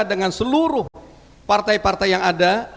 dengan seluruh partai partai yang ada